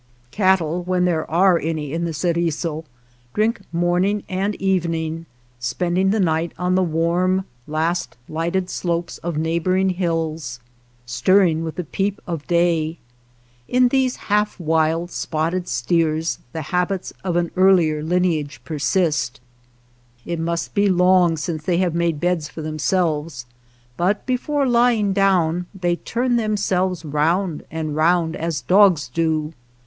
Cattle, when there are any in the Ceriso, drink morning and evening, spending the night on the warm last lighted slopes of neighboring hills, stirring with the peep o' day. In these half wild spotted steers the habits of an earlier lineage persist. It must be long since they have made beds for them selves, but before lying down they turn themselves round and round as dogs do.